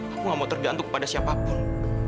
aku gak mau tergantung kepada siapapun